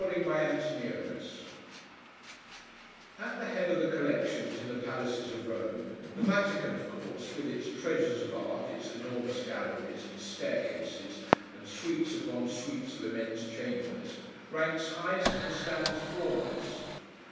At the head of the collections in the palaces of Rome, the Vatican, of course, with its treasures of art, its enormous galleries, and staircases, and suites upon suites of immense chambers, ranks highest and stands foremost.